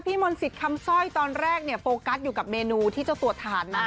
พี่มนต์สิทธิ์คำสร้อยตอนแรกเนี่ยโปรกัสอยู่กับเมนูที่จะตรวจฐาน